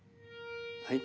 はい？